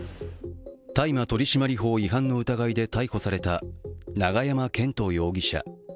大麻取締法違反の疑いで逮捕された永山絢斗容疑者。